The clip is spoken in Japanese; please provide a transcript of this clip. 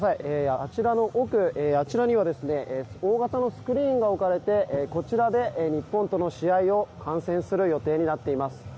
あちらの奥、あちらにはですね大型のスクリーンが置かれてこちらで日本との試合を観戦する予定になっています。